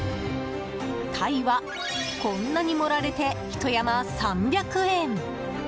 タイは、こんなに盛られてひと山３００円！